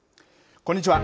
こんにちは。